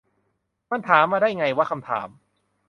มันถามมาได้ไงวะ คำถาม